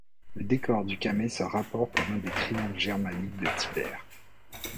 Le décor du camée se rapporte à l'un des triomphes germaniques de Tibère.